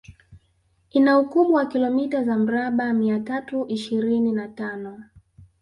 Ina ukubwa wa kilometa za mraba mia tatu ishirini na tano